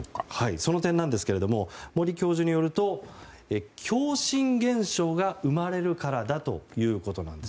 その点ですが森教授によると共振現象が生まれるからだということです。